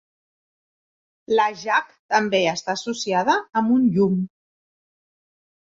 La Jack també està associada amb un llum.